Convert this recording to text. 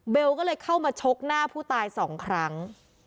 ก็เลยเข้ามาชกหน้าผู้ตายสองครั้ง